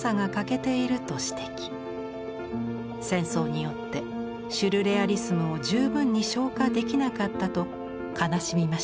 戦争によってシュルレアリスムを十分に消化できなかったと悲しみました。